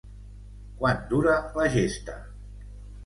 Quant dura la gesta?